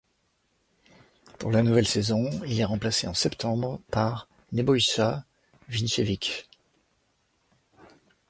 Pour la nouvelle saison, il est remplacé en septembre par Nebojša Vignjević.